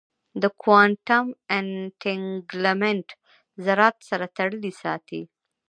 د کوانټم انټنګلمنټ ذرات سره تړلي ساتي.